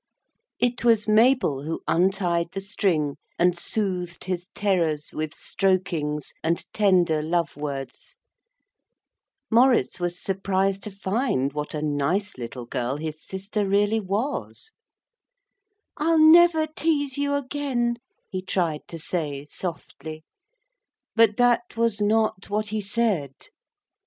It was Mabel who untied the string and soothed his terrors with strokings and tender love words. Maurice was surprised to find what a nice little girl his sister really was. 'I'll never tease you again,' he tried to say, softly but that was not what he said.